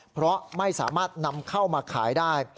เพราะไม่สามารถนำเข้ามาขายได้